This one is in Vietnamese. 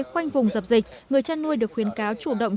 quanh vùng dập dịch người chăn nuôi được khuyến cáo chủ động